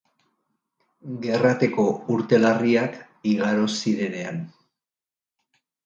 Gerrateko urte larriak igaro zirenean.